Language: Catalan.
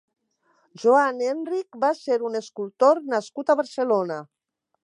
Joan Enrich va ser un escultor nascut a Barcelona.